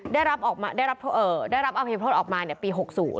ได้รับอภัยโทษออกมาปี๖๐